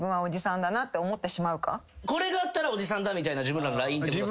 これがあったらおじさんだみたいな自分らのラインってこと。